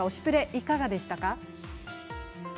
いかがでしたか。